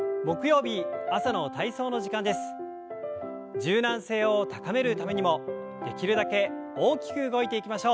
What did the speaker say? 柔軟性を高めるためにもできるだけ大きく動いていきましょう。